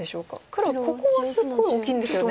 黒はここはすごい大きいんですよね。